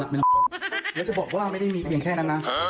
เดี๋ยวจะบอกว่าไม่ได้มีเพียงแค่นั้นนะ